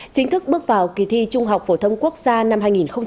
chính thức bước vào kỳ thi trung học phổ thông quốc gia năm hai nghìn một mươi chín